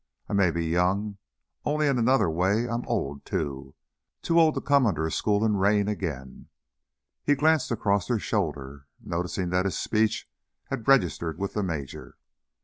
I may be young, only in another way, I'm old, too. Too old to come under a schoolin' rein again." He glanced across her shoulder, noticing that his speech had registered with the major.